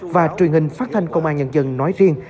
và truyền hình phát thanh công an nhân dân nói riêng